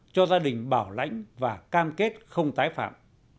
cho gia đình bảo lãnh và cam kết không tái phạm